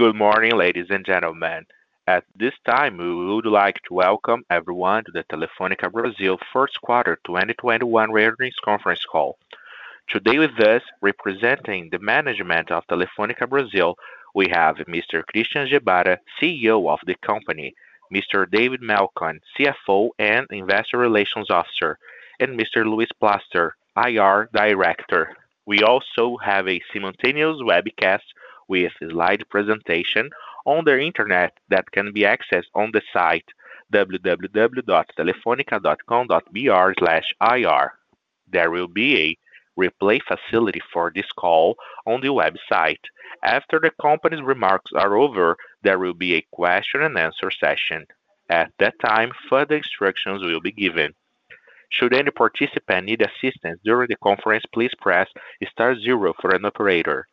Good morning, ladies and gentlemen. At this time, we would like to welcome everyone to the Telefônica Brasil Q1 2021 earnings conference call. Today with us representing the management of Telefônica Brasil, we have Mr. Christian Gebara, CEO of the company, Mr. David Melcon, CFO and Investor Relations Officer, and Mr. Luis Plaster, IR Director. We also have a simultaneous webcast with a slide presentation on the internet that can be accessed on the site www.telefonica.com.br/ir. There will be a replay facility for this call on the website. After the company's remarks are over, there will be a question-and-answer session. At that time, further instructions will be given. Should any participant need assistance during the conference, please press star zero for an operator.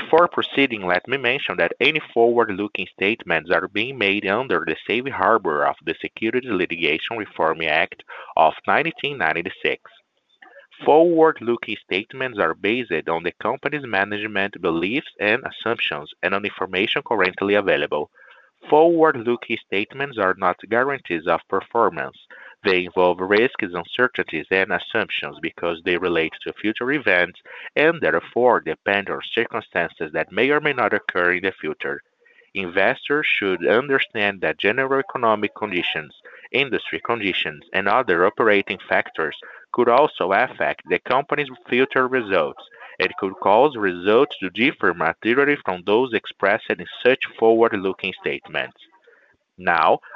Before proceeding, let me mention that any forward-looking statements are being made under the safe harbor of the Private Securities Litigation Reform Act of 1995. Forward-looking statements are based on the company's management beliefs and assumptions and on information currently available. Forward-looking statements are not guarantees of performance. They involve risks, uncertainties and assumptions because they relate to future events and therefore depend on circumstances that may or may not occur in the future. Investors should understand that general economic conditions, industry conditions, and other operating factors could also affect the company's future results and could cause results to differ materially from those expressed in such forward-looking statements.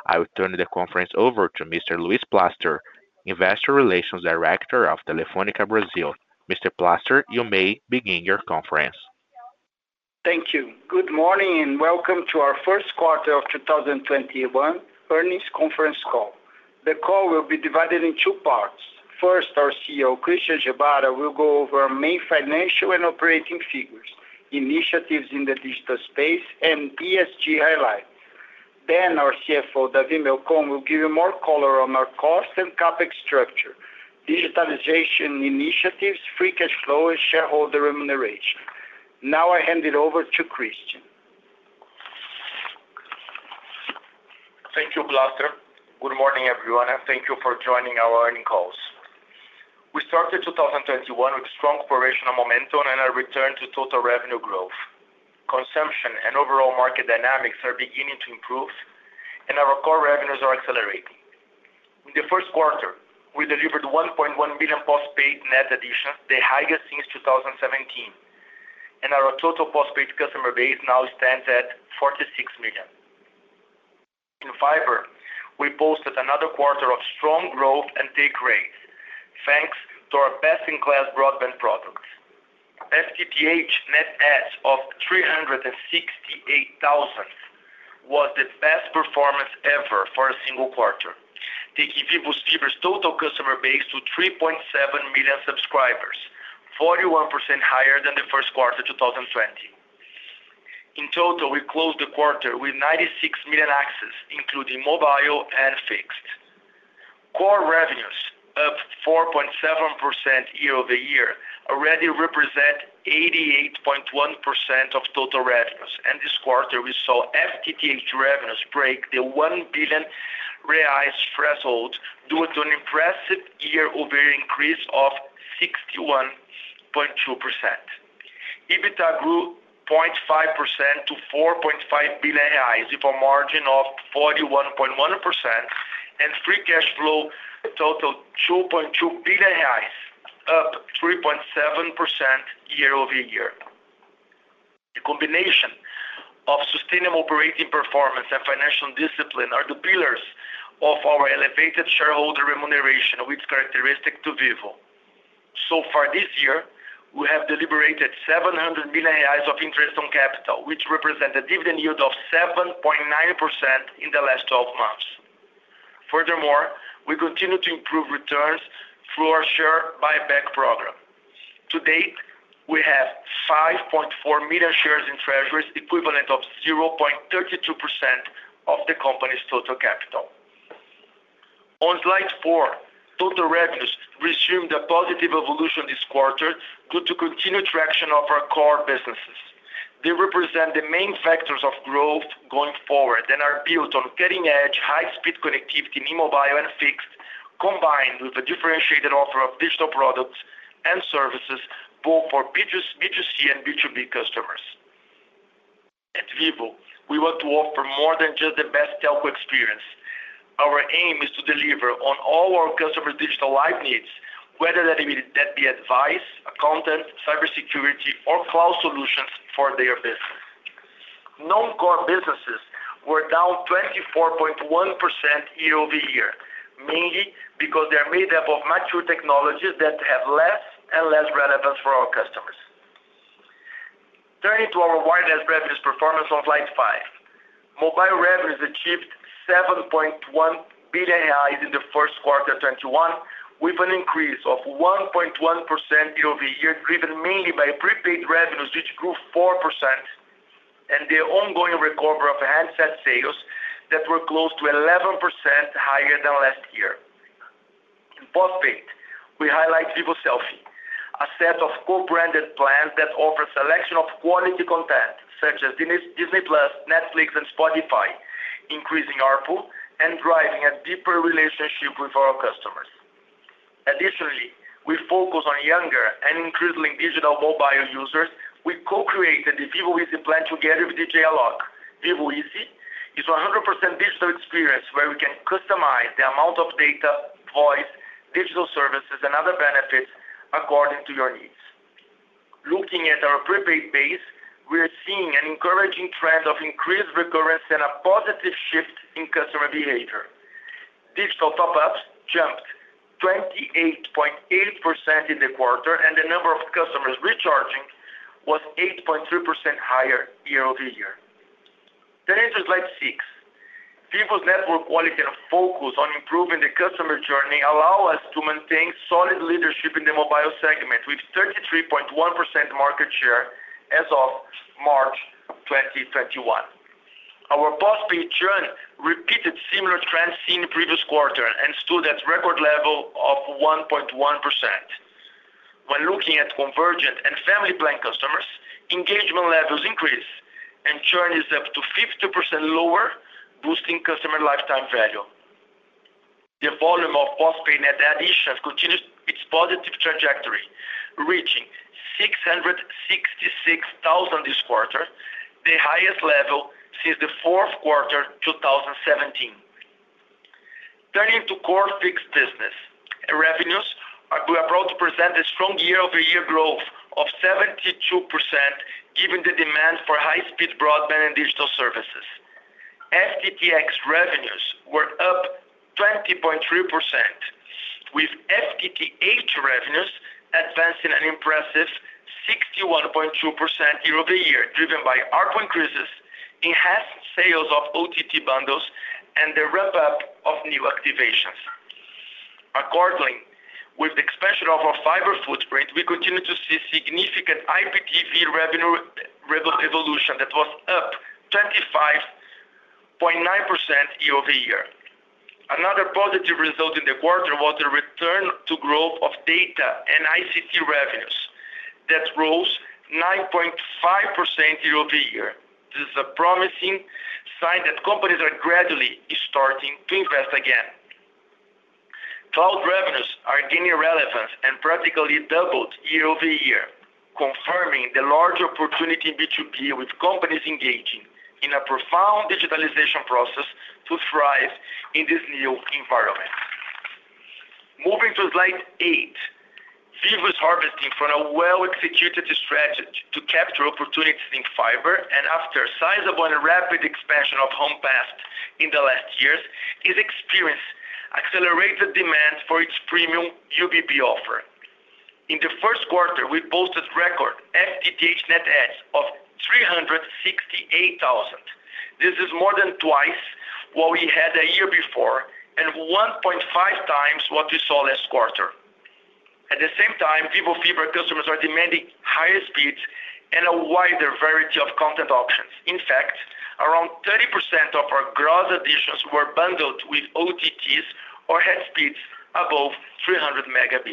I will turn the conference over to Mr. Luis Plaster, Investor Relations Director of Telefônica Brasil. Mr. Plaster, you may begin your conference. Thank you. Good morning, and welcome to our Q1 of 2021 earnings conference call. The call will be divided in two parts. First, our CEO, Christian Gebara, will go over our main financial and operating figures, initiatives in the digital space, and ESG highlights. Our CFO, David Melcon, will give you more color on our cost and CapEx structure, digitalization initiatives, free cash flow, and shareholder remuneration. Now I hand it over to Christian. Thank you, Plaster. Good morning, everyone, and thank you for joining our earnings calls. We started 2021 with strong operational momentum and a return to total revenue growth. Consumption and overall market dynamics are beginning to improve, and our core revenues are accelerating. In the Q1, we delivered 1.1 million postpaid net additions, the highest since 2017. Our total postpaid customer base now stands at 46 million. In fiber, we posted another quarter of strong growth and take rates, thanks to our best-in-class broadband products. FTTH net adds of 368,000 was the best performance ever for a single quarter, taking Vivo's fiber total customer base to 3.7 million subscribers, 41% higher than the Q1 2020. In total, we closed the quarter with 96 million access, including mobile and fixed. Core revenues up 4.7% year-over-year already represent 88.1% of total revenues. This quarter we saw FTTH revenues break the 1 billion reais threshold due to an impressive year-over-year increase of 61.2%. EBITDA grew 0.5% to 4.5 billion reais, with a margin of 41.1%, and free cash flow totaled 2.2 billion reais, up 3.7% year-over-year. The combination of sustainable operating performance and financial discipline are the pillars of our elevated shareholder remuneration, which characteristic to Vivo. So far this year, we have deliberated 700 million reais of interest on capital, which represent a dividend yield of 7.9% in the last 12 months. Furthermore, we continue to improve returns through our share buyback program. To-date, we have 5.4 million shares in treasuries, equivalent of 0.32% of the company's total capital. On slide four, total revenues resumed a positive evolution this quarter due to continued traction of our core businesses. They represent the main factors of growth going forward and are built on cutting-edge, high-speed connectivity in mobile and fixed, combined with a differentiated offer of digital products and services, both for B2C and B2B customers. At Vivo, we want to offer more than just the best telco experience. Our aim is to deliver on all our customers' digital life needs, whether that be advice, content, cybersecurity, or cloud solutions for their business. Non-core businesses were down 24.1% year-over-year, mainly because they are made up of mature technologies that have less and less relevance for our customers. Turning to our wireless revenues performance on slide five. Mobile revenues achieved 7.1 billion in the Q1 2021, with an increase of 1.1% year-over-year, driven mainly by prepaid revenues, which grew 4%, and the ongoing recovery of handset sales that were close to 11% higher than last year. In postpaid Vivo Selfie, a set of co-branded plans that offer a selection of quality content such as Disney+, Netflix, and Spotify, increasing ARPU and driving a deeper relationship with our customers. We focus on younger and increasingly digital mobile users. We co-created the Vivo Easy plan together with J.Lo. Vivo Easy is 100% digital experience where we can customize the amount of data, voice, digital services, and other benefits according to your needs. Looking at our prepaid base, we're seeing an encouraging trend of increased recurrence and a positive shift in customer behavior. Digital top-ups jumped 28.8% in the quarter, and the number of customers recharging was 8.3% higher year-over-year. Enter slide six. Vivo's network quality and focus on improving the customer journey allow us to maintain solid leadership in the mobile segment with 33.1% market share as of March 2021. Our post-paid churn repeated similar trends seen the previous quarter and stood at record level of 1.1%. When looking at convergent and family plan customers, engagement levels increase and churn is up to 50% lower, boosting customer lifetime value. The volume of post-paid net additions continues its positive trajectory, reaching 666,000 this quarter, the highest level since the Q4 2017. Turning to core fixed business. Revenues are proud to present a strong year-over-year growth of 72% given the demand for high-speed broadband and digital services. FTTX revenues were up 20.3%, with FTTH revenues advancing an impressive 61.2% year-over-year, driven by ARPU increases, enhanced sales of OTT bundles, and the ramp-up of new activations. With the expansion of our fiber footprint, we continue to see significant IPTV revenue evolution that was up 25.9% year-over-year. Another positive result in the quarter was the return to growth of data and ICT revenues. That rose 9.5% year-over-year. This is a promising sign that companies are gradually starting to invest again. Cloud revenues are gaining relevance and practically doubled year-over-year, confirming the large opportunity in B2B with companies engaging in a profound digitalization process to thrive in this new environment. Moving to slide eight. Vivo is harvesting from a well-executed strategy to capture opportunities in fiber. After a sizable and rapid expansion of home passed in the last years, its experience accelerated demand for its premium UBB offer. In the Q1, we posted record FTTH net adds of 368,000. This is more than twice what we had a year before and 1.5x what we saw last quarter. At the same time, Vivo fiber customers are demanding higher speeds and a wider variety of content options. In fact, around 30% of our gross additions were bundled with OTTs or had speeds above 300 Mb.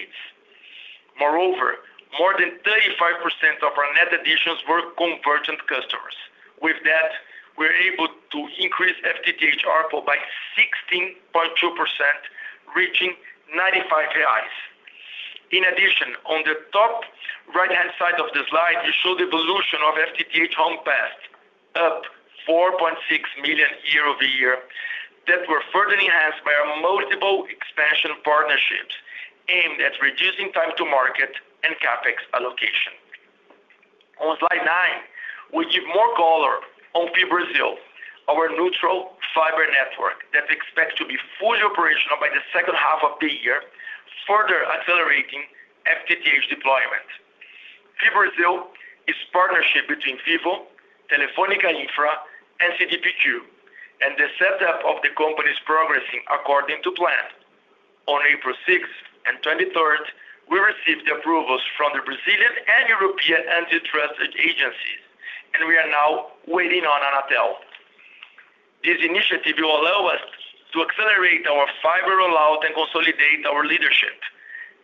Moreover, more than 35% of our net additions were convergent customers. With that, we're able to increase FTTH ARPU by 16.2%, reaching 95 reais. In addition, on the top right-hand side of the slide, we show the evolution of FTTH home passed, up 4.6 million year-over-year, that were further enhanced by our multiple expansion partnerships aimed at reducing time to market and CapEx allocation. On slide nine, we give more color on FiBrasil, our neutral fiber network that's expected to be fully operational by the H2 of the year, further accelerating FTTH deployment. FiBrasil is partnership between Vivo, Telefónica Infra, and CDPQ, and the setup of the company is progressing according to plan. On April 6th and 23rd, we received approvals from the Brazilian and European antitrust agencies, and we are now waiting on Anatel. This initiative will allow us to accelerate our fiber rollout and consolidate our leadership.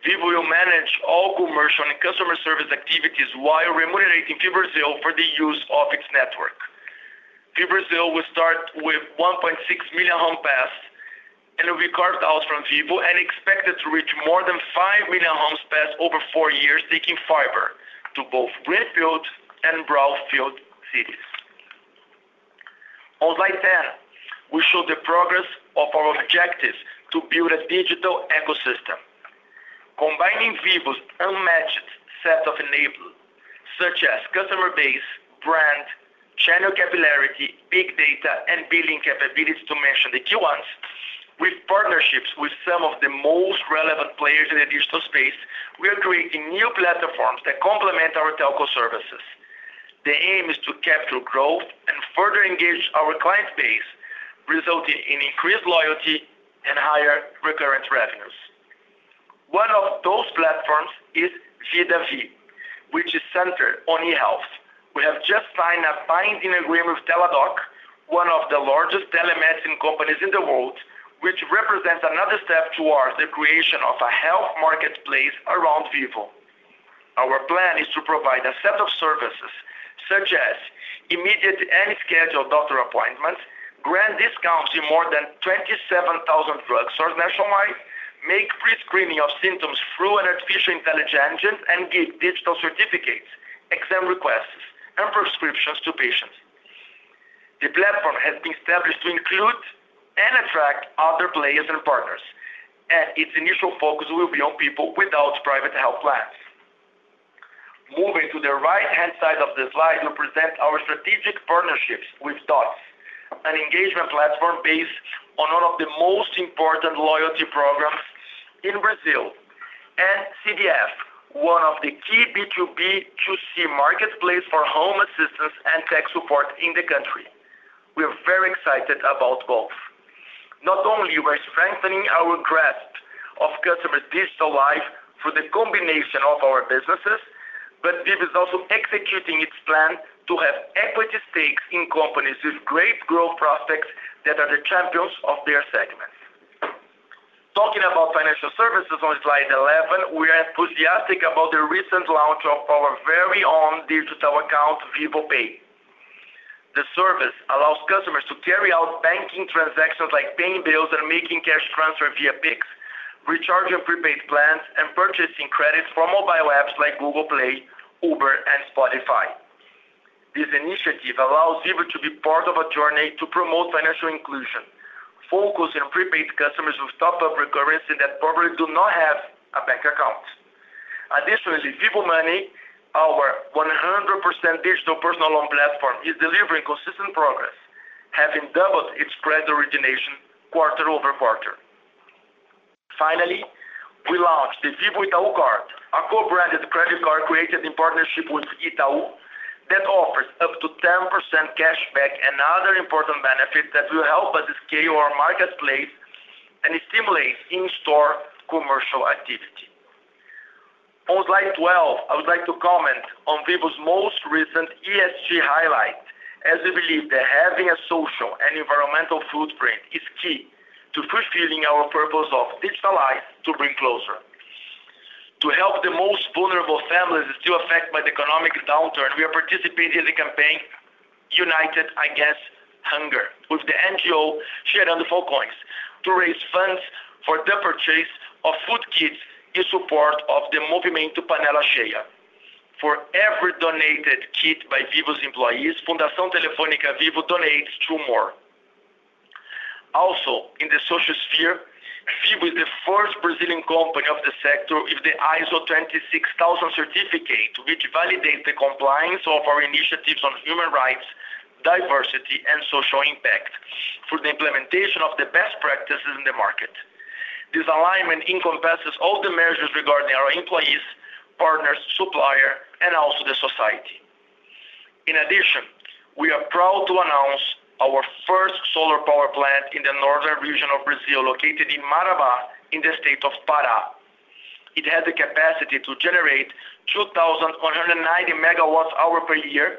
Vivo will manage all commercial and customer service activities while remunerating FiBrasil for the use of its network. FiBrasil will start with 1.6 million home passed. It will be carved out from Vivo and expected to reach more than 5 million homes passed over four years, taking fiber to both greenfield and brownfield cities. On slide 10, we show the progress of our objectives to build a digital ecosystem. Combining Vivo's unmatched set of enablers, such as customer base, brand, channel capillarity, big data, and billing capabilities to mention the key ones. With partnerships with some of the most relevant players in the digital space, we are creating new platforms that complement our telco services. The aim is to capture growth and further engage our client base, resulting in increased loyalty and higher recurrent revenues. One of those platforms is Vida V, which is centered on e-health. We have just signed a binding agreement with Teladoc, one of the largest telemedicine companies in the world, which represents another step towards the creation of a health marketplace around Vivo. Our plan is to provide a set of services, such as immediate and scheduled doctor appointments, grant discounts in more than 27,000 drugs nationwide, make free screening of symptoms through an artificial intelligence engine, and give digital certificates, exam requests, and prescriptions to patients. Its initial focus will be on people without private health plans. Moving to the right-hand side of the slide, we present our strategic partnerships with Dotz, an engagement platform based on one of the most important loyalty programs in Brazil, and CDF, one of the key B2B2C marketplace for home assistance and tech support in the country. We are very excited about both. Not only we're strengthening our grasp of customer digital life through the combination of our businesses, but Vivo is also executing its plan to have equity stakes in companies with great growth prospects that are the champions of their segments. Talking about financial services on slide 11, we are enthusiastic about the recent launch of our very own digital account, Vivo Pay. The service allows customers to carry out banking transactions like paying bills and making cash transfers via Pix, recharging prepaid plans, and purchasing credits for mobile apps like Google Play, Uber, and Spotify. This initiative allows Vivo to be part of a journey to promote financial inclusion, focused on prepaid customers with top-up recurrency that probably do not have a bank account. Additionally, Vivo Money, our 100% digital personal loan platform, is delivering consistent progress, having doubled its credit origination quarter-over-quarter. Finally, we launched the Vivo Itaucard, a co-branded credit card created in partnership with Itaú that offers up to 10% cashback and other important benefits that will help us scale our marketplace and stimulate in-store commercial activity. On slide 12, I would like to comment on Vivo's most recent ESG highlight, as we believe that having a social and environmental footprint is key to fulfilling our purpose of digital life to bring closer. To help the most vulnerable families that are still affected by the economic downturn, we are participating in the campaign United Against Hunger with the NGO Gerando Falcões to raise funds for the purchase of food kits in support of the Movimento Panela Cheia. For every donated kit by Vivo's employees, Fundação Telefônica Vivo donates two more. Also, in the social sphere, Vivo is the first Brazilian company of the sector with the ISO 26000 certificate, which validates the compliance of our initiatives on human rights, diversity, and social impact through the implementation of the best practices in the market. This alignment encompasses all the measures regarding our employees, partners, suppliers, and also the society. In addition, we are proud to announce our first solar power plant in the northern region of Brazil, located in Marabá in the state of Pará. It has the capacity to generate 2,190 MWh per year,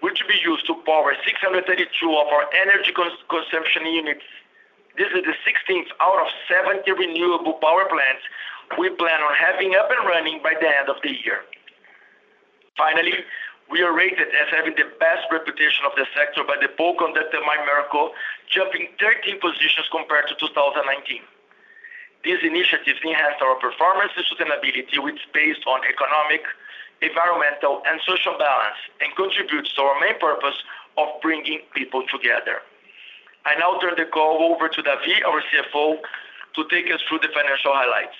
which will be used to power 632 of our energy consumption units. This is the 16th out of 70 renewable power plants we plan on having up and running by the end of the year. Finally, we are rated as having the best reputation of the sector by the Ranking Merco, jumping 13 positions compared to 2019. These initiatives enhance our performance and sustainability, which is based on economic, environmental, and social balance, and contributes to our main purpose of bringing people together. I now turn the call over to David, our CFO, to take us through the financial highlights.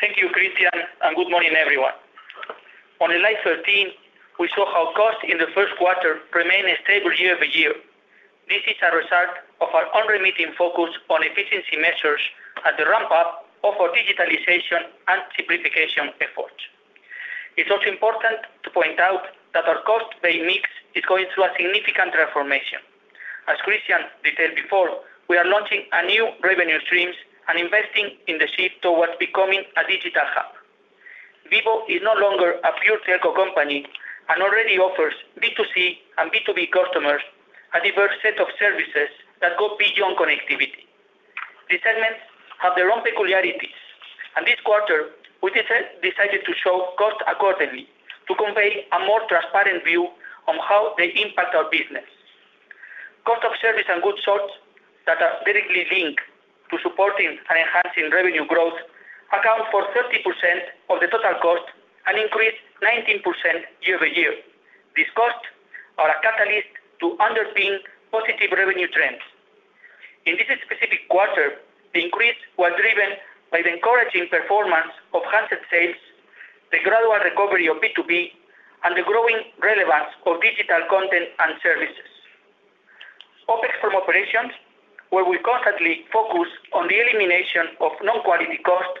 Thank you, Christian, and good morning, everyone. On slide 13, we saw how costs in the Q1 remained stable year-over-year. This is a result of our unremitting focus on efficiency measures and the ramp-up of our digitalization and simplification efforts. It's also important to point out that our cost pay mix is going through a significant reformation. As Christian detailed before, we are launching new revenue streams and investing in the shift towards becoming a digital hub. Vivo is no longer a pure telco company and already offers B2C and B2B customers a diverse set of services that go beyond connectivity. These segments have their own peculiarities, and this quarter, we decided to show costs accordingly to convey a more transparent view on how they impact our business. Cost of service and goods sold that are directly linked to supporting and enhancing revenue growth account for 30% of the total cost and increased 19% year-over-year. These costs are a catalyst to underpin positive revenue trends. In this specific quarter, the increase was driven by the encouraging performance of handset sales, the gradual recovery of B2B, and the growing relevance of digital content and services. OpEx from operations, where we constantly focus on the elimination of non-quality costs,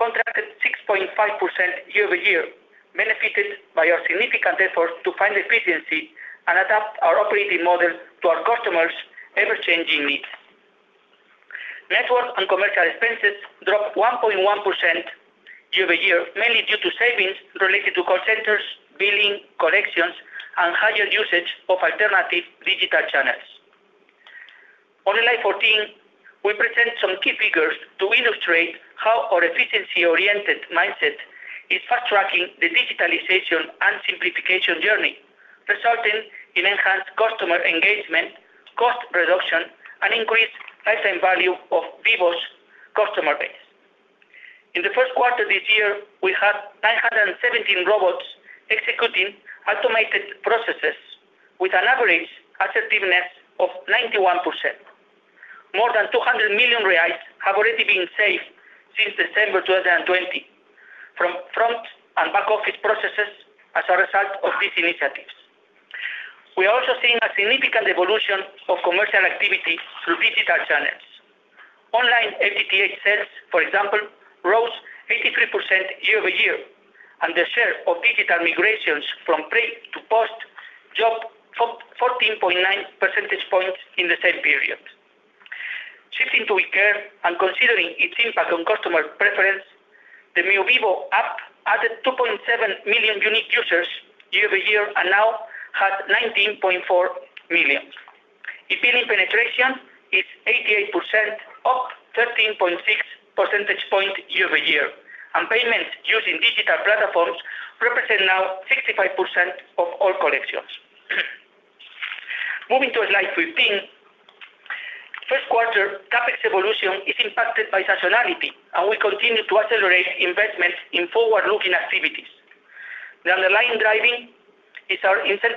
contracted 6.5% year-over-year, benefited by our significant effort to find efficiency and adapt our operating model to our customers' ever-changing needs. Network and commercial expenses dropped 1.1% year-over-year, mainly due to savings related to call centers, billing, collections, and higher usage of alternative digital channels. On slide 14, we present some key figures to illustrate how our efficiency-oriented mindset is fast-tracking the digitalization and simplification journey, resulting in enhanced customer engagement, cost reduction, and increased lifetime value of Vivo's customer base. In the Q1 this year, we had 917 robots executing automated processes with an average acceptiveness of 91%. More than 200 million reais have already been saved since December 2020 from front and back-office processes as a result of these initiatives. We are also seeing a significant evolution of commercial activity through digital channels. Online FTTH sales, for example, rose 83% year-over-year, and the share of digital migrations from prepay to postpay jumped 14.9 percentage points in the same period. Shifting to eCare and considering its impact on customer preference, the Meu Vivo app added 2.7 million unique users year-over-year and now has 19.4 million. E-billing penetration is 88%, up 13.6 percentage points year-over-year. Payments using digital platforms represent now 65% of all collections. Moving to slide 15. Q1 CapEx evolution is impacted by seasonality, and we continue to accelerate investments in forward-looking activities. The underlying driving is our intense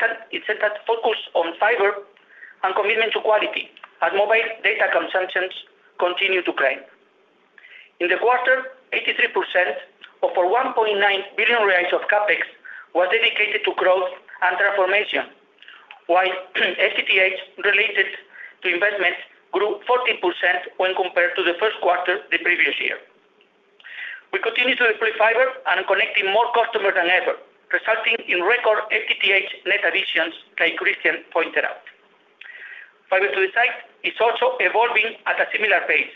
focus on fiber and commitment to quality as mobile data consumption continue to climb. In the quarter, 83% of 1.9 billion reais of CapEx was dedicated to growth and transformation, while FTTH related to investments grew 14% when compared to the Q1 the previous year. We continue to deploy fiber and connecting more customers than ever, resulting in record FTTH net additions, like Christian pointed out. Fiber to the site is also evolving at a similar pace.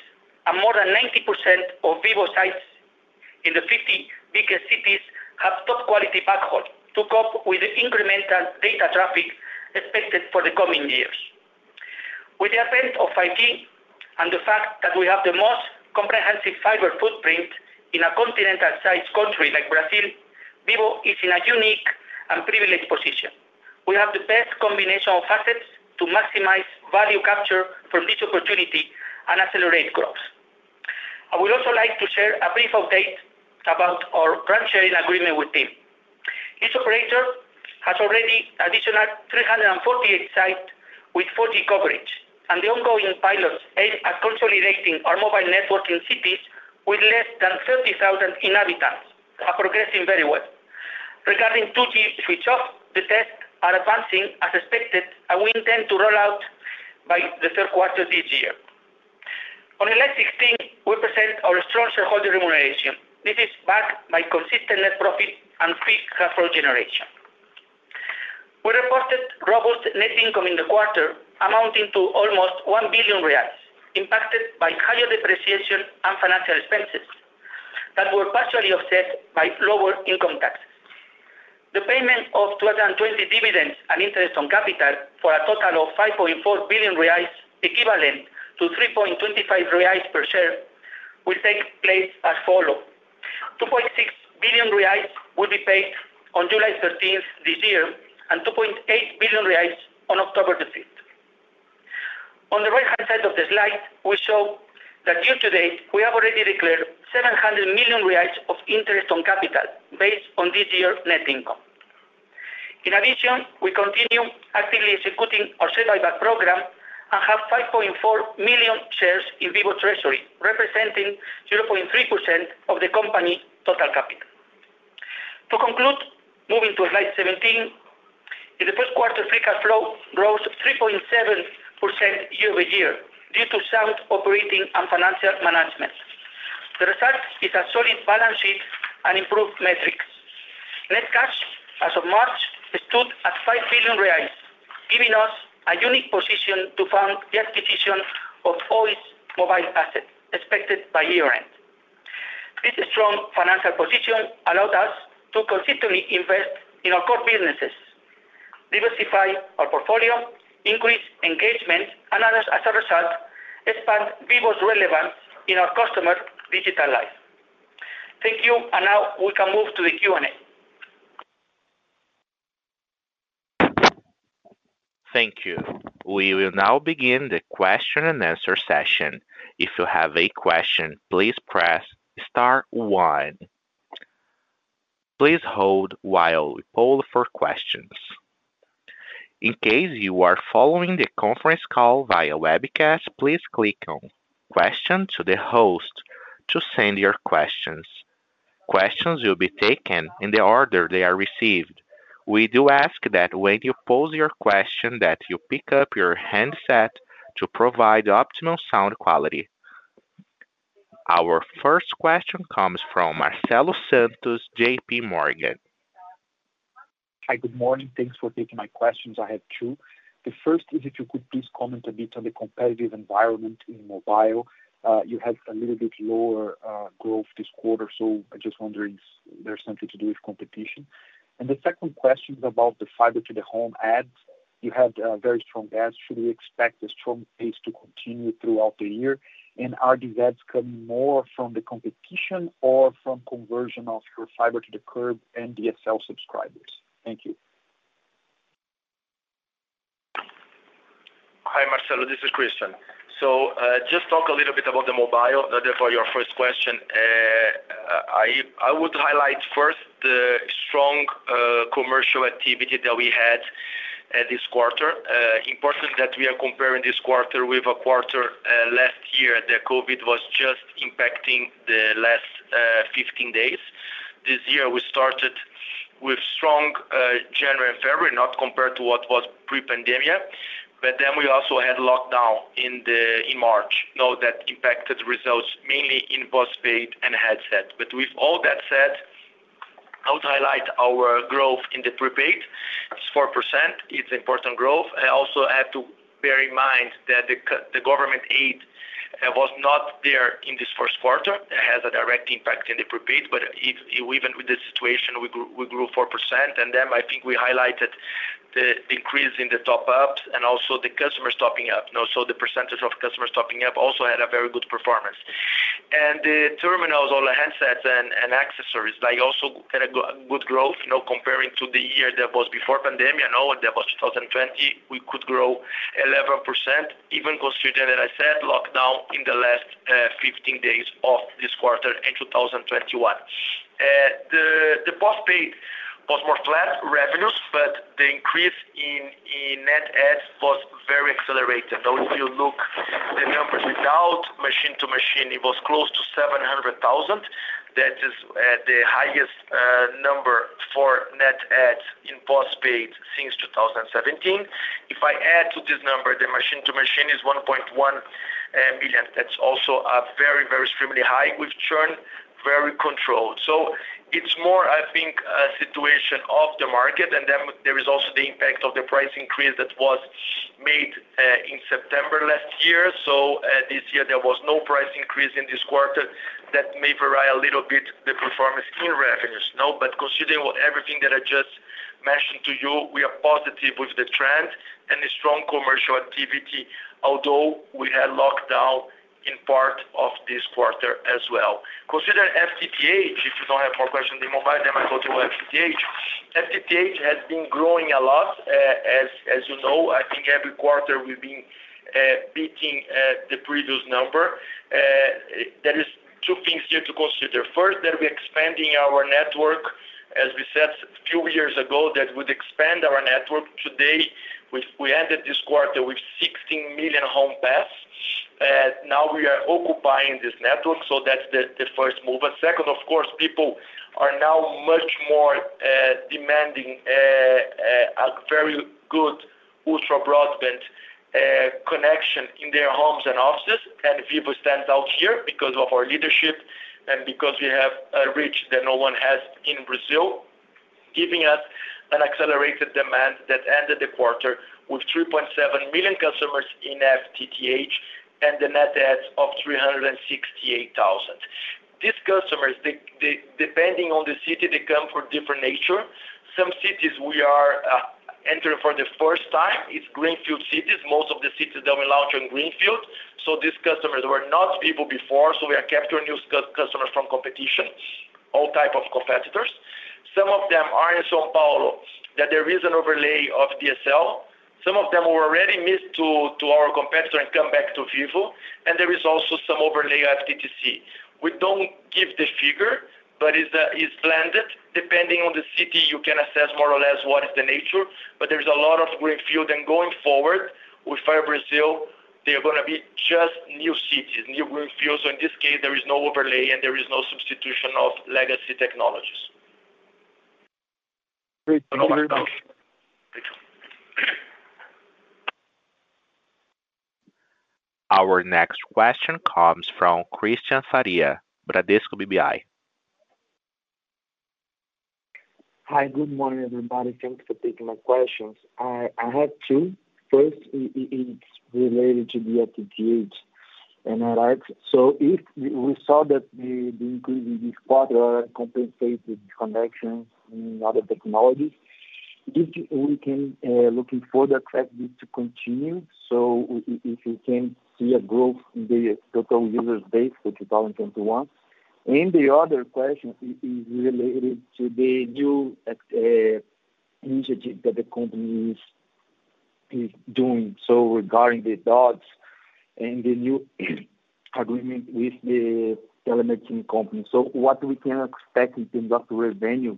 More than 90% of Vivo sites in the 50 biggest cities have top-quality backhaul to cope with the incremental data traffic expected for the coming years. With the advent of 5G and the fact that we have the most comprehensive fiber footprint in a continental-sized country like Brazil, Vivo is in a unique and privileged position. We have the best combination of assets to maximize value capture from this opportunity and accelerate growth. I would also like to share a brief update about our RAN sharing agreement with TIM. Each operator has already additional 348 sites with 4G coverage, and the ongoing pilots aimed at consolidating our mobile network in cities with less than 30,000 inhabitants are progressing very well. Regarding 2G switch-off, the tests are advancing as expected, and we intend to roll out by the Q3 this year. On slide 16, we present our strong shareholder remuneration. This is backed by consistent net profit and free cash flow generation. We reported robust net income in the quarter amounting to almost 1 billion reais, impacted by higher depreciation and financial expenses that were partially offset by lower income taxes. The payment of 2020 dividends and interest on capital for a total of 5.4 billion reais, equivalent to 3.25 reais per share, will take place as follows. 2.6 billion reais will be paid on July 13th this year, and 2.8 billion reais on October 15th. On the right-hand side of the slide, we show that year-to-date, we have already declared 700 million reais of interest on capital based on this year's net income. In addition, we continue actively executing our share buyback program and have 5.4 million shares in Vivo treasury, representing 0.3% of the company total capital. To conclude, moving to slide 17. In the Q1, free cash flow rose 3.7% year-over-year due to solid operating and financial management. The result is a solid balance sheet and improved metrics. Net cash as of March stood at 5 billion reais, giving us a unique position to fund the acquisition of Oi's mobile assets expected by year-end. This strong financial position allowed us to consistently invest in our core businesses, diversify our portfolio, increase engagement, and as a result, expand Vivo's relevance in our customers' digital life. Thank you. Now we can move to the Q&A. Thank you. We will now begin the question-and-answer session. If you have a question, please press star one. Please hold while hold for questions. In case you're following the conference call via webcast, please click on question to the host to send your questions. Questions will be taken in the order they're received. We do ask that when you pause your question that you pick up your handset to provide optional sound quality. Our first question comes from Marcelo Santos, J.P. Morgan. Hi, good morning. Thanks for taking my questions. I have two. The first is if you could please comment a bit on the competitive environment in mobile. You had a little bit lower growth this quarter, so I'm just wondering if there's something to do with competition. The second question is about the fiber to the home adds. You had very strong adds. Should we expect the strong pace to continue throughout the year? Are these adds coming more from the competition or from conversion of your fiber to the curb and DSL subscribers? Thank you. Hi, Marcelo. This is Christian. Just talk a little bit about the mobile, therefore your first question. I would highlight first the strong commercial activity that we had this quarter. Important that we are comparing this quarter with a quarter last year that COVID was just impacting the last 15 days. This year, we started with strong January and February, not compared to what was pre-pandemic, we also had lockdown in March. Know that impacted results mainly in postpaid and headset. With all that said, I would highlight our growth in the prepaid. It's 4%. It's important growth. Also have to bear in mind that the government aid was not there in this Q1. It has a direct impact in the prepaid. Even with this situation, we grew 4%. I think we highlighted the increase in the top-ups and also the customers topping up. The percentage of customers topping up also had a very good performance. The terminals, all the handsets and accessories, they also had a good growth, comparing to the year that was before pandemic, that was 2020. We could grow 11%, even considering, as I said, lockdown in the last 15 days of this quarter in 2021. The postpaid was more flat revenues. The increase in net adds was very accelerated. If you look the numbers without machine-to-machine, it was close to 700,000. That is the highest number for net adds in postpaid since 2017. If I add to this number, the machine to machine is 1.1 million. That's also very extremely high with churn very controlled. It's more, I think, a situation of the market. There is also the impact of the price increase that was made in September last year. This year, there was no price increase in this quarter that may vary a little bit the performance in revenues. Considering everything that I just mentioned to you, we are positive with the trend and the strong commercial activity, although we had lockdown in part of this quarter as well. Considering FTTH, if you don't have more questions in mobile, I go to FTTH. FTTH has been growing a lot, as you know. I think every quarter, we've been beating the previous number. There is two things here to consider. First, that we expanding our network, as we said a few years ago, that we'd expand our network. Today, we ended this quarter with 16 million home passed. We are occupying this network. That's the first move. Second, of course, people are now much more demanding a very good ultra broadband connection in their homes and offices. Vivo stands out here because of our leadership and because we have a reach that no one has in Brazil, giving us an accelerated demand that ended the quarter with 3.7 million customers in FTTH and the net adds of 368,000. These customers, depending on the city, they come from different nature. Some cities we are entering for the first time. It's greenfield cities. Most of the cities that we launch are greenfield. These customers were not Vivo before, so we are capturing new customers from competition. All type of competitors. Some of them are in São Paulo, that there is an overlay of DSL. Some of them were already missed to our competitor and come back to Vivo, and there is also some overlay FTTC. We don't give the figure, but it's blended. Depending on the city, you can assess more or less what is the nature. There's a lot of greenfield, and going forward with FiBrasil, they're going to be just new cities, new greenfields. In this case, there is no overlay, and there is no substitution of legacy technologies. Great. Thank you very much. Thank you. Our next question comes from Christian Faria, Bradesco BBI. Hi, good morning, everybody. Thanks for taking my questions. I have two. First, it's related to the FTTH and FTTx. If we saw that the increase in this quarter compensated the connection in other technologies, we can look for the trend to continue? If you can see a growth in the total user base for 2021. The other question is related to the new initiative that the company is doing. Regarding the Dotz and the new agreement with the telemedicine company. What we can expect in terms of revenue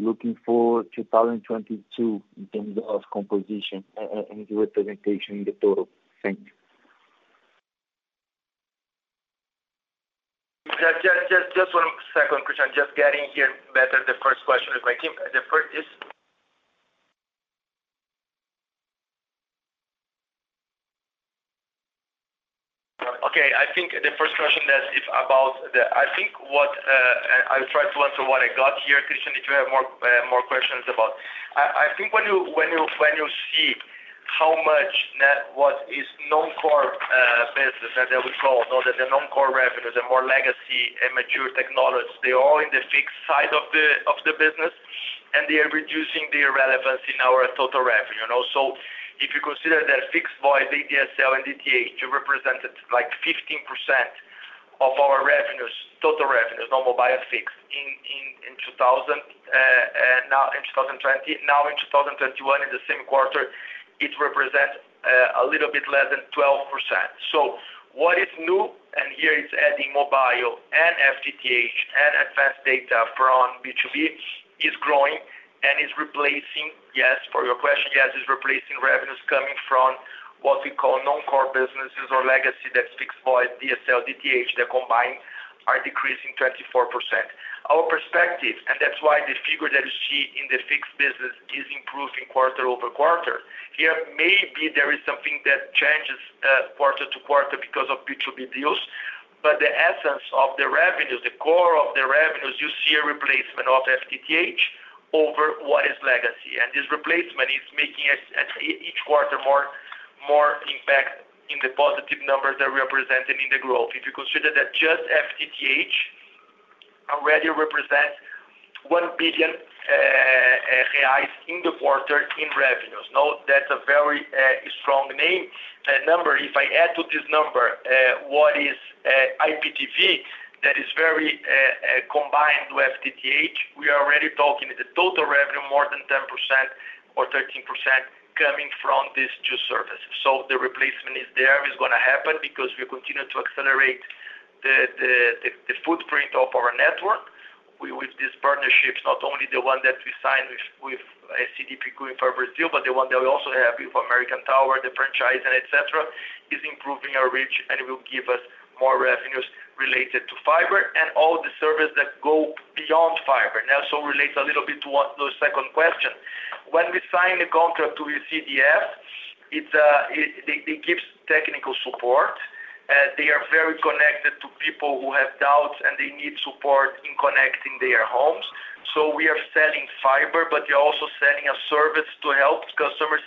looking for 2022 in terms of composition and the representation in the total? Thank you. Just one second, Christian. Just getting here better the first question with my team. Okay. I'll try to answer what I got here. Christian, if you have more questions about. I think when you see how much net was non-core business, that we call non-core revenues are more legacy and mature technologies. They are in the fixed side of the business, and they are reducing their relevance in our total revenue. If you consider that fixed voice, ADSL, and DTH represented 15% of our total revenues, not mobile, fixed, in 2020. Now in 2021, in the same quarter, it represents a little bit less than 12%. What is new, and here it's adding mobile and FTTH from B2B, is growing and is replacing. Yes, for your question, yes, it's replacing revenues coming from what we call non-core businesses or legacy. Fixed voice, DSL, DTH, that combined are decreasing 24%. Our perspective, that's why this figure that you see in the fixed business is improving quarter-over-quarter. Here, maybe there is something that changes quarter-to-quarter because of B2B deals. The essence of the revenues, the core of the revenues, you see a replacement of FTTH over what is legacy. This replacement is making each quarter more impact in the positive numbers that represented in the growth. If you consider that just FTTH already represents 1 billion reais in the quarter in revenues. That's a very strong name and number. If I add to this number what is IPTV, that is very combined with FTTH, we are already talking the total revenue more than 10% or 13% coming from these two services. The replacement is there. It's going to happen because we continue to accelerate the footprint of our network with these partnerships. Not only the one that we signed with CDPQ going forward, but the one that we also have with American Tower, the franchise, et cetera, is improving our reach and will give us more revenues related to fiber and all the services that go beyond fiber. Relates a little bit to the second question. When we sign a contract with a CDF, it gives technical support. They are very connected to people who have doubts, and they need support in connecting their homes. We are sending fiber, but we are also sending a service to help customers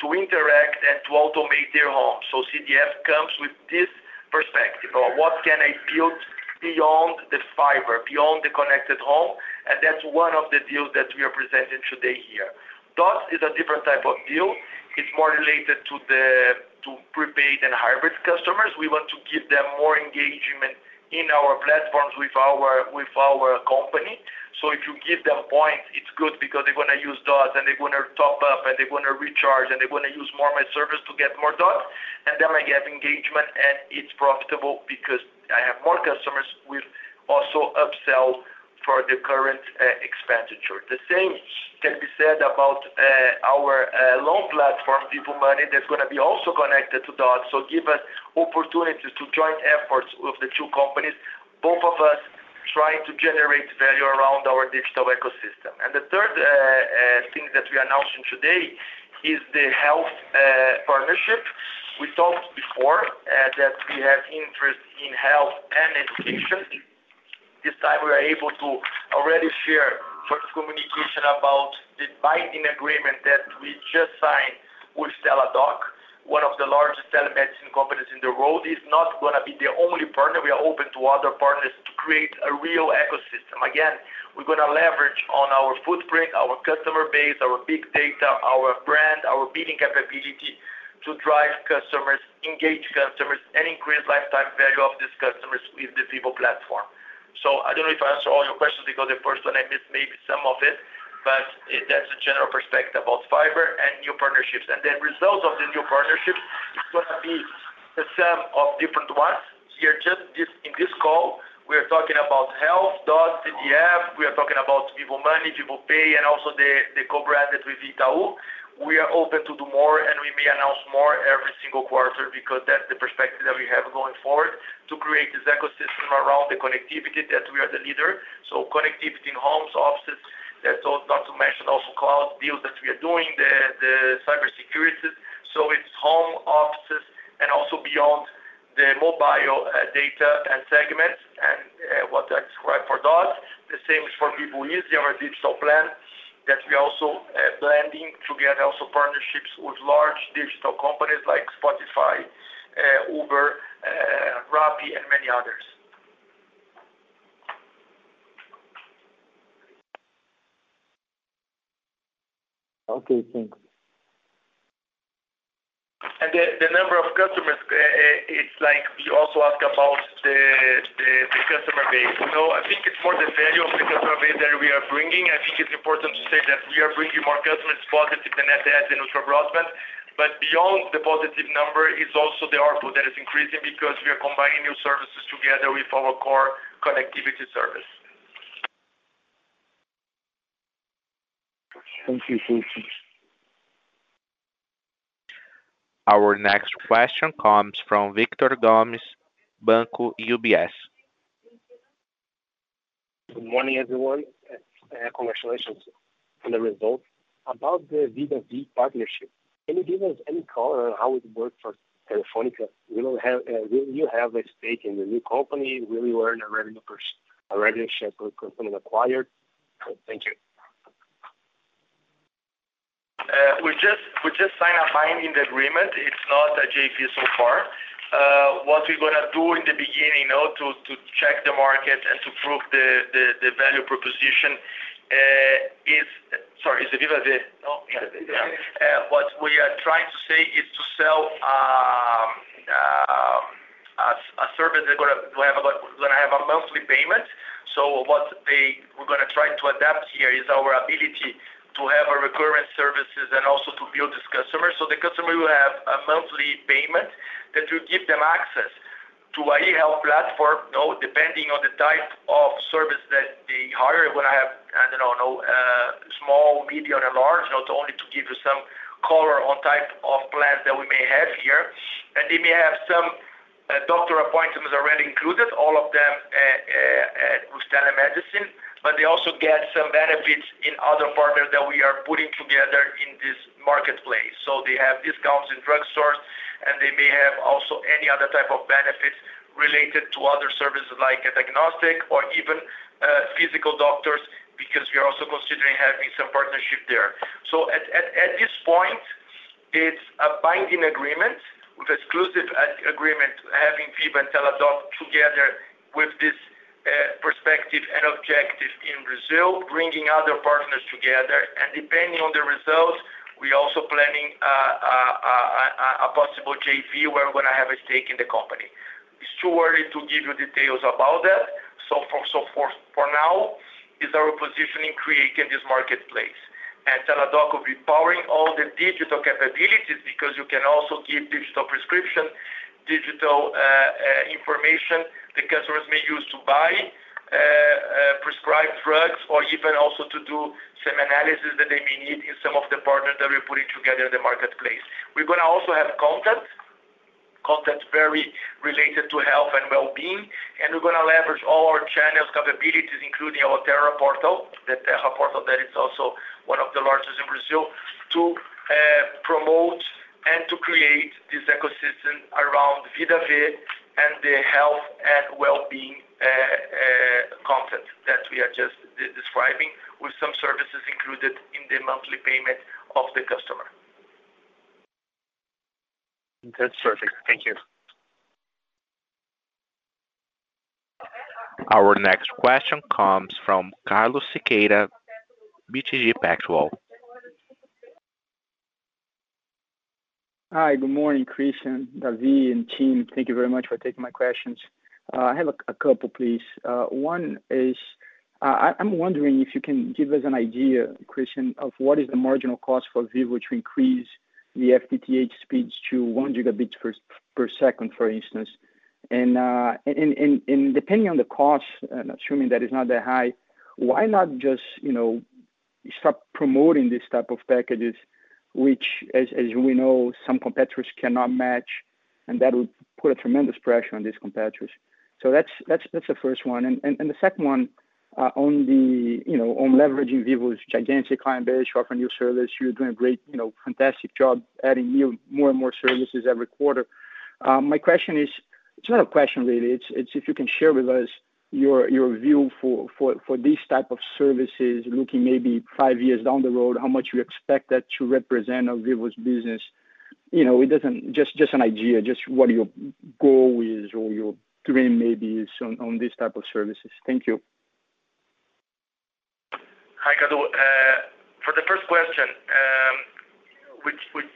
to interact and to automate their homes. CDF comes with this perspective of what can I build beyond the fiber, beyond the connected home, and that's one of the deals that we are presenting today here. Dotz is a different type of deal. It's more related to prepaid and hybrid customers. We want to give them more engagement in our platforms with our company. If you give them points, it's good because they're going to use Dotz, and they're going to top up, and they're going to recharge, and they're going to use more my service to get more Dotz. I get engagement, and it's profitable because I have more customers. We'll also upsell for the current expenditure. The same can be said about our loan platform, Vivo Money, that's going to be also connected to Dotz. Give us opportunities to join efforts with the two companies, both of us trying to generate value around our digital ecosystem. The third thing that we're announcing today is the health partnership. We talked before that we have interest in health and education. This time, we are able to already share first communication about this binding agreement that we just signed with Teladoc, one of the largest telemedicine companies in the world. It's not going to be the only partner. We are open to other partners to create a real ecosystem. Again, we're going to leverage on our footprint, our customer base, our big data, our brand, our billing capability to drive customers, engage customers, and increase lifetime value of these customers with the Vivo platform. I don't know if I answered all your questions because the first one I missed maybe some of it, but that's the general perspective about fiber and new partnerships. The result of these new partnerships is going to be a sum of different ones. Here, just in this call, we are talking about health, Dotz, CDF. We are talking about Vivo Money, Vivo Pay, and also the co-branded with Itaú. We are open to do more, and we may announce more every single quarter because that's the perspective that we have going forward to create this ecosystem around the connectivity that we are the leader. Connectivity in homes, offices. That's not to mention also cloud build that we are doing, the cybersecurity. It's home, offices, and also beyond the mobile data and segments and what that describe for Dotz. The same is for Vivo Easy, our digital plan that we are also planning to get also partnerships with large digital companies like Spotify, Uber, Rappi, and many others. Okay, thanks. The number of customers, it's like you also ask about the customer base. I think for the value of the customer base that we are bringing, I think it's important to say that we are bringing more customers positive than net adds in customer broadband. Beyond the positive number is also the ARPU that is increasing because we are combining new services together with our core connectivity service. Thank you. Our next question comes from Victor Gomes, Banco UBS Good morning, everyone. Congratulations on the results. About the Vida V partnership, can you give us any color on how it worked for Telefônica? Will you have a stake in the new company? Will you earn a revenue share per company acquired? Thank you. We just signed a binding agreement. It's not a JV so far. What we're going to do in the beginning to check the market and to prove the value proposition. Sorry, is it Vida V? No? Yeah. What we are trying to say is to sell a service that we're going to have a monthly payment. What we're going to try to adapt here is our ability to have recurring services and also to build this customer. The customer will have a monthly payment that will give them access to an e-health platform, depending on the type of service that they hire. We're going to have, I don't know, small, medium, and large, only to give you some color on type of plans that we may have here. They may have some doctor appointments already included, all of them with telemedicine, but they also get some benefits in other partners that we are putting together in this marketplace. They have discounts in drugstores, and they may have also any other type of benefits related to other services like diagnostic or even physical doctors, because we are also considering having some partnership there. At this point, it's a binding agreement with exclusive agreement having Vida V and Teladoc together with this perspective and objective in Brazil, bringing other partners together. Depending on the results, we're also planning a possible JV. We're going to have a stake in the company. It's too early to give you details about that. For now is our positioning, creating this marketplace. Teladoc will be powering all the digital capabilities because you can also give digital prescription, digital information the customers may use to buy prescribed drugs or even also to do some analysis that they may need in some of the partners that we're putting together in the marketplace. We're going to also have content very related to health and wellbeing. We're going to leverage all our channels capabilities, including our Terra portal, the Terra portal that is also one of the largest in Brazil, to promote and to create this ecosystem around Vivo and the health and wellbeing content that we are just describing with some services included in the monthly payment of the customer. That's perfect. Thank you. Our next question comes from Carlos Sequeira, BTG Pactual. Hi. Good morning, Christian, David, and team. Thank you very much for taking my questions. I have a couple, please. One is, I'm wondering if you can give us an idea, Christian, of what is the marginal cost for Vivo to increase the FTTH speeds to 1 Gb/s, for instance. Depending on the cost, assuming that it's not that high, why not just start promoting these type of packages, which, as we know, some competitors cannot match, and that would put a tremendous pressure on these competitors. That's the first one, and the second one on leveraging Vivo's gigantic client base to offer a new service. You're doing a great, fantastic job adding more and more services every quarter. My question is, it's not a question really, it's if you can share with us your view for these type of services, looking maybe five years down the road, how much you expect that to represent of Vivo's business. Just an idea, just what your goal is or your dream maybe is on these type of services. Thank you. Hi, Carlos. For the first question, we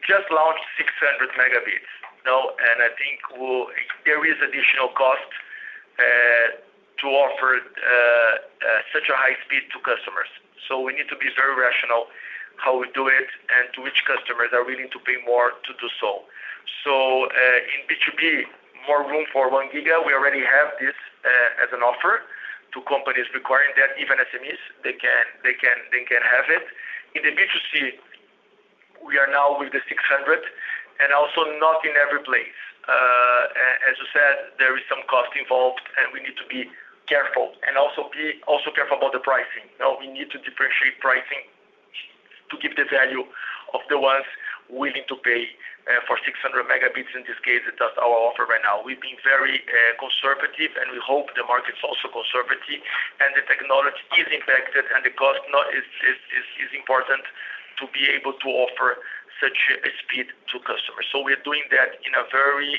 just launched 600 Mb. I think there is additional cost to offer such a high speed to customers. We need to be very rational how we do it and to which customers are willing to pay more to do so. In B2B, more room for one giga. We already have this as an offer to companies requiring that even SMEs, they can have it. In the B2C, we are now with the 600 and also not in every place. As you said, there is some cost involved, and we need to be careful and also be careful about the pricing. We need to differentiate pricing to give the value of the ones willing to pay for 600 Mb. In this case, that's our offer right now. We've been very conservative, and we hope the market's also conservative and the technology is impacted and the cost is important to be able to offer such a speed to customers. We are doing that in a very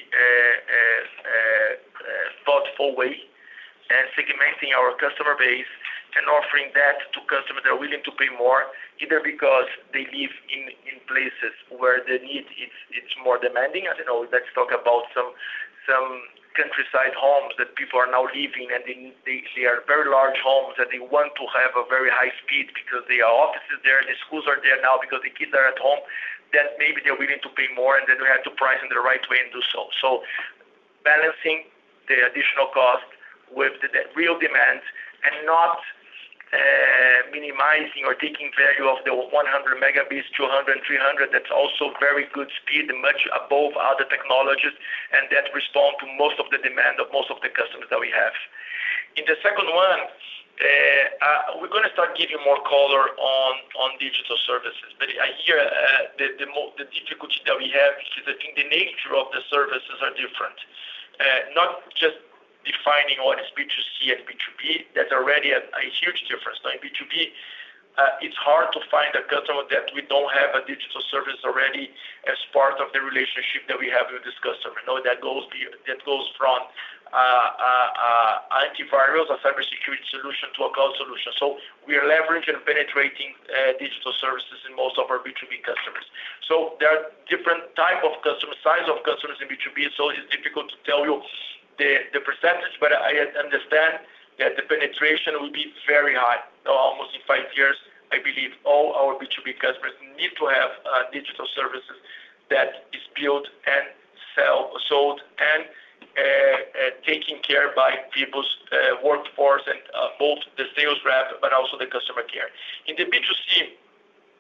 thoughtful way and segmenting our customer base and offering that to customers that are willing to pay more, either because they live in places where the need is more demanding. I don't know, let's talk about some countryside homes that people are now living, and they are very large homes, and they want to have a very high speed because their offices are there, the schools are there now because the kids are at home, that maybe they're willing to pay more, and then we have to price in the right way and do so. Balancing the additional cost with the real demand and not minimizing or taking value of the 100 Mb, 200 Mb, 300 Mb, that's also very good speed and much above other technologies, and that respond to most of the demand of most of the customers that we have. In the second one, we're going to start giving more color on digital services. Here, the difficulty that we have is that I think the nature of the services are different. Not just defining what is B2C and B2B. That's already a huge difference. Now B2B, it's hard to find a customer that we don't have a digital service already as part of the relationship that we have with this customer, that goes from antivirus or cybersecurity solution to a cloud solution. We are leveraging, penetrating digital services in most of our B2B customers. There are different type of customers, size of customers in B2B. It is difficult to tell you the percentage, but I understand that the penetration will be very high, almost in five years. I believe all our B2B customers need to have digital services that is built and sold, and taken care by people's workforce and both the sales rep, but also the customer care. In the B2C,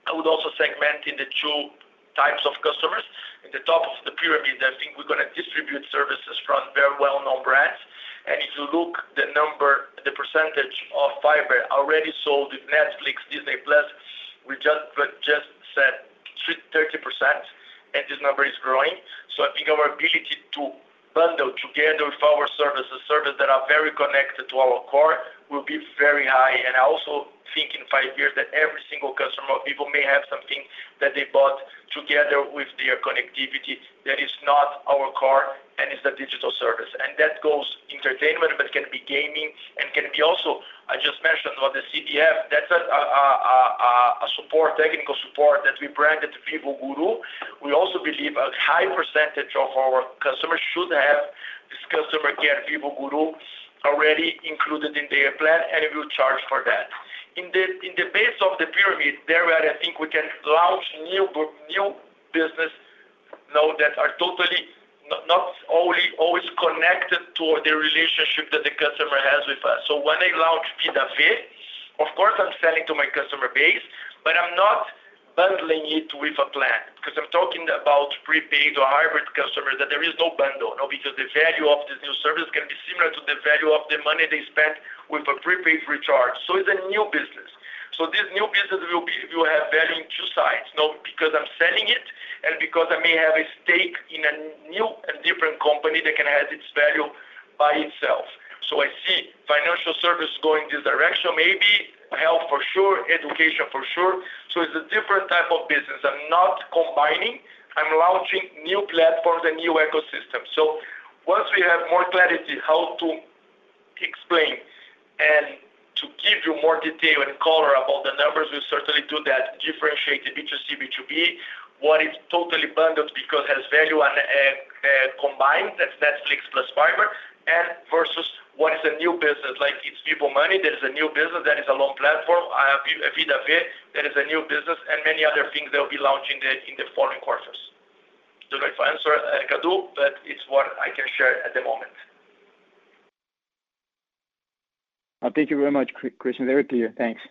I would also segment in the two types of customers. In the top of the pyramid, I think we're going to distribute services from very well-known brands. If you look the percentage of fiber already sold with Netflix, Disney+, we just said 30%, and this number is growing. I think our ability to bundle together with our services, service that are very connected to our core will be very high. I also think in five years that every single customer of Vivo may have something that they bought together with their connectivity that is not our core and is the digital service. That goes entertainment, but can be gaming and can be also, I just mentioned about the CDF, that's a technical support that we branded Vivo Guru. We also believe a high percentage of our customers should have this customer care, Vivo Guru, already included in their plan, and we will charge for that. In the base of the pyramid there, I think we can launch new business that are totally not always connected to the relationship that the customer has with us. When I launch Vida V, of course, I'm selling to my customer base, but I'm not bundling it with a plan because I'm talking about prepaid or hybrid customer, that there is no bundle. The value of this new service can be similar to the value of the money they spent with a prepaid recharge. It's a new business. This new business will have value in two sides now, because I'm selling it and because I may have a stake in a new and different company that can have its value by itself. I see financial service going this direction, maybe health for sure, education for sure. It's a different type of business. I'm not combining. I'm launching new platforms and new ecosystems. Once we have more clarity how to explain and to give you more detail and color about the numbers, we certainly do that, differentiate the B2C, B2B, what is totally bundled because it has value and combined, that's Netflix plus fiber, and versus what is a new business. Like it's Vivo Money, that is a new business, that is a loan platform. I have Vida V, that is a new business and many other things that we'll be launching in the following quarters. I don't know if I answered, Carlos, but it's what I can share at the moment. Thank you very much, Christian. Very clear. Thanks.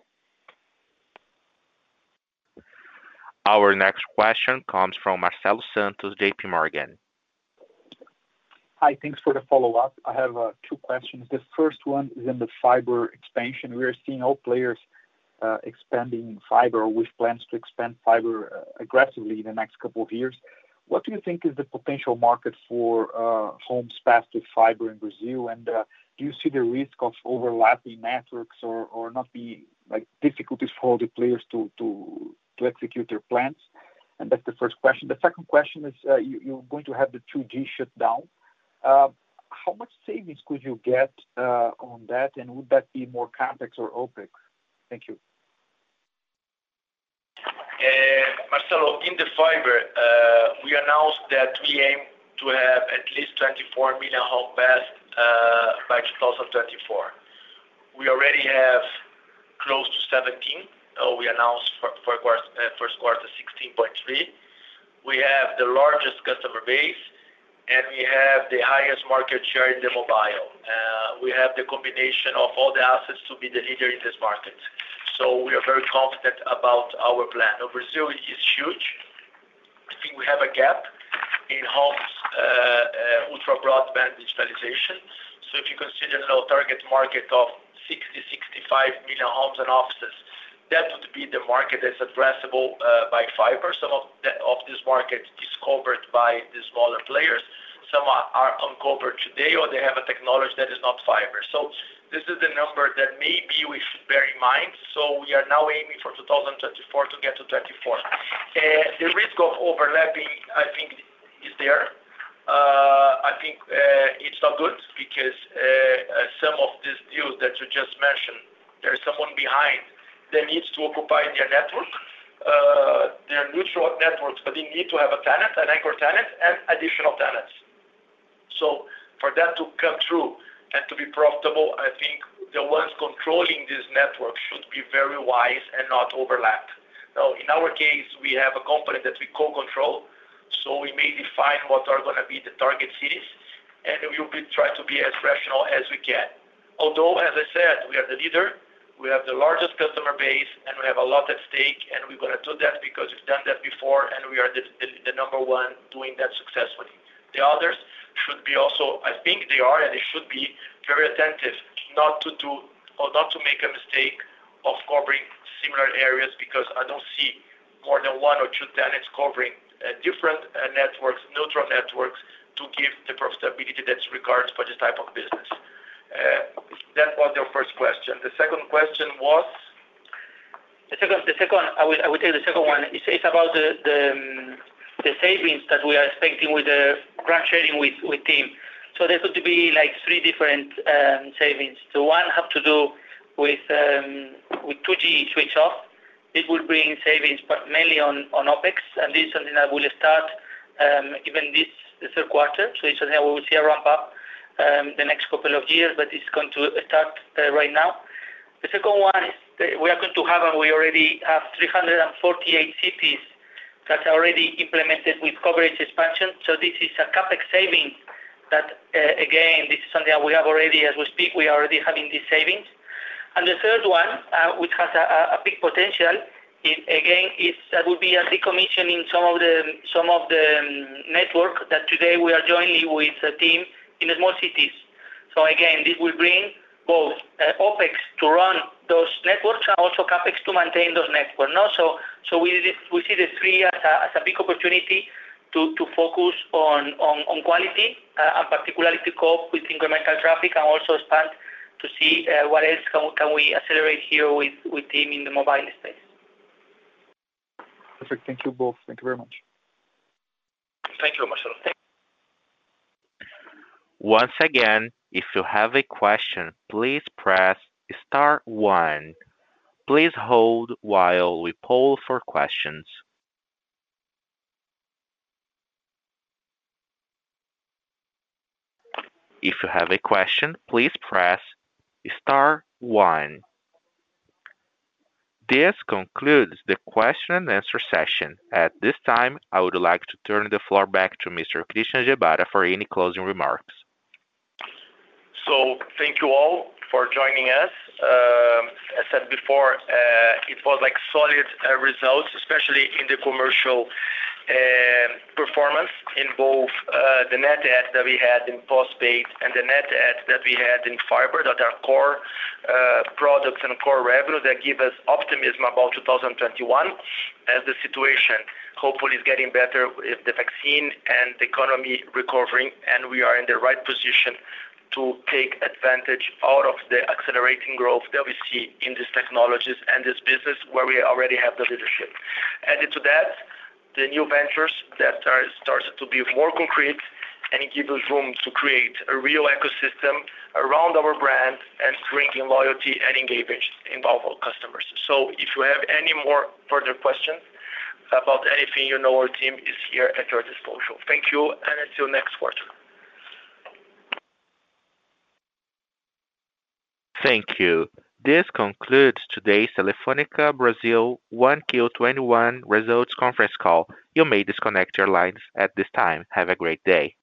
Our next question comes from Marcelo Santos, J.P. Morgan. Hi. Thanks for the follow-up. I have two questions. The first one is in the fiber expansion. We are seeing all players expanding fiber with plans to expand fiber aggressively in the next couple of years. What do you think is the potential market for homes passed with fiber in Brazil? Do you see the risk of overlapping networks or like difficulties for all the players to execute their plans? That's the first question. The second question is, you're going to have the 2G shut down. How much savings could you get on that, would that be more CapEx or OpEx? Thank you. Marcelo, in the fiber, we announced that we aim to have at least 24 million home passed by close of 2024. We already have close to 17, or we announced for Q1, 16.3. We have the largest customer base, and we have the highest market share in the mobile. We have the combination of all the assets to be the leader in this market. We are very confident about our plan. Brazil is huge. I think we have a gap in homes ultrabroadband digitalization. If you consider now target market of 60, 65 million homes and offices, that would be the market that's addressable by fiber. Some of this market is covered by the smaller players. Some are uncovered today, or they have a technology that is not fiber. This is the number that maybe we should bear in mind. We are now aiming for 2024 to get to 2024. The risk of overlapping, I think is there. I think, it's not good because, some of these deals that you just mentioned, there's someone behind that needs to occupy their network. They are neutral networks, but they need to have a tenant, an anchor tenant, and additional tenants. For that to come through and to be profitable, I think the ones controlling this network should be very wise and not overlap. In our case, we have a company that we co-control. We may define what are going to be the target cities, and we'll try to be as rational as we can. Although, as I said, we are the leader. We have the largest customer base, and we have a lot at stake, and we're going to do that because we've done that before, and we are the number one doing that successfully. The others should be also, I think they are, and they should be very attentive not to make a mistake of covering similar areas because I don't see more than one or two tenants covering different networks, neutral networks to give the profitability that's required for this type of business. That was your first question. The second question was? The second one is about the savings that we are expecting with the RAN sharing with TIM. There's going to be three different savings. One has to do with 2G switch off. It will bring savings, but mainly on OpEx, and this is something that will start even this Q3. It's something that we will see a ramp up the next couple of years, but it's going to start right now. The second one is that we are going to have, and we already have 348 cities that are already implemented with coverage expansion. This is a CapEx saving that, again, this is something that we have already as we speak, we are already having these savings. The third one, which has a big potential, again, that would be a decommissioning some of the network that today we are joining with TIM in the small cities. Again, this will bring both OpEx to run those networks and also CapEx to maintain those networks. We see the three as a big opportunity to focus on quality, and particularly to cope with incremental traffic and also expand to see what else can we accelerate here with TIM in the mobile space. Perfect. Thank you both. Thank you very much. Thank you, Marcelo. Once again, if you have a question please press star one. Please hold while we hold for questions. If you have a question, please press star one. This concludes the question-and-answer session. At this time, I would like to turn the floor back to Mr. Christian Gebara for any closing remarks. Thank you all for joining us. As said before, it was solid results, especially in the commercial performance in both the net adds that we had in postpaid and the net adds that we had in fiber that are core products and core revenue that give us optimism about 2021 as the situation hopefully is getting better with the vaccine and the economy recovering and we are in the right position to take advantage out of the accelerating growth that we see in these technologies and this business where we already have the leadership. Added to that, the new ventures that are started to be more concrete and it gives us room to create a real ecosystem around our brand and strengthen loyalty and engagement involved with customers. If you have any more further questions about anything, you know our team is here at your disposal. Thank you and until next quarter. Thank you. This concludes today's Telefônica Brasil 1Q 2021 Results Conference Call. You may disconnect your lines at this time. Have a great day.